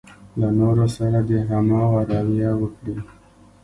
له نورو سره دې هماغه رويه وکړي.